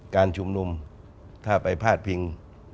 การชุมนุมถ้าไปพาดพิง